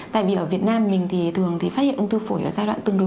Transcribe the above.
tại vì ở việt nam mình thì thường thì phát hiện ung thư phổi ở giai đoạn tương đối